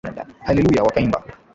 Haleluya wakaimba.